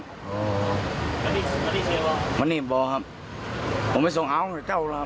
วันนี้เซฟหรอวันนี้บอกครับผมไปส่งเอาให้เจ้าแล้วครับ